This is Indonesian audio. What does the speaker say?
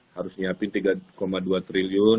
harus nyiapin tiga dua triliun